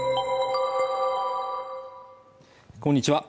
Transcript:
こんにちは